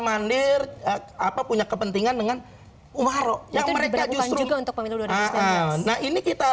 mandir tak apa punya kepentingan dengan umarok yang mereka juga untuk pemerintah nah ini kita